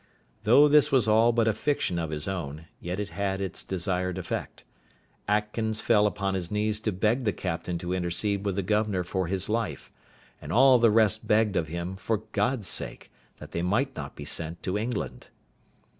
Though this was all but a fiction of his own, yet it had its desired effect; Atkins fell upon his knees to beg the captain to intercede with the governor for his life; and all the rest begged of him, for God's sake, that they might not be sent to England.